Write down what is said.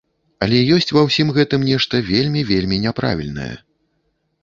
Але ёсць ва ўсім гэтым нешта вельмі, вельмі няправільнае.